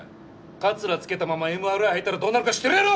カツラつけたままＭＲＩ入ったらどうなるか知ってるやろ！